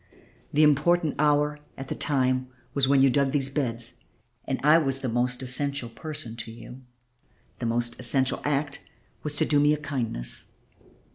The important hour at the time was when you dug these beds, and I was the most essential person to you, and the most essential act was to do me a kindness.